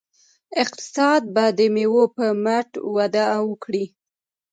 اقتصاد به د میوو په مټ وده وکړي.